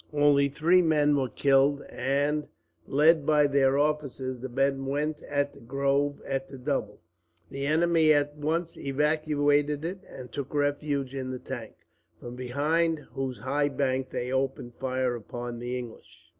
Only three men were killed, and, led by their officers, the men went at the grove at the double. The enemy at once evacuated it, and took refuge in the tank, from behind whose high bank they opened fire upon the English.